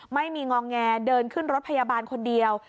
ไม่มีงองแงเดินขึ้นรถพยาบาลคนเดียว